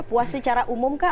puas secara umum kah